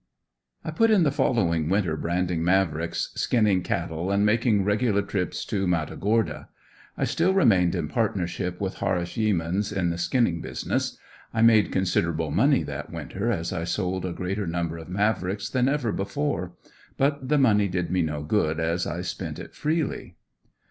I put in the following winter branding Mavricks, skinning cattle and making regular trips to Matagorda; I still remained in partnership with Horace Yeamans in the skinning business. I made considerable money that winter as I sold a greater number of Mavricks than ever before. But the money did me no good as I spent it freely.